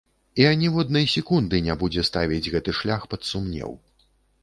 І аніводнай секунды не будзе ставіць гэты шлях пад сумнеў.